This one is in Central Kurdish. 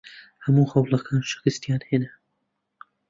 هەموو هەوڵەکان شکستیان هێنا.